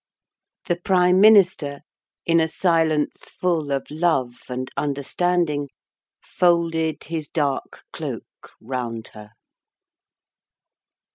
The Prime Minister, in a silence full of love and understanding, folded his dark cloak round her.